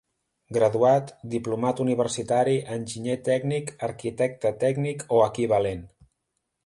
Graduat, diplomat universitari, enginyer tècnic, arquitecte tècnic o equivalent.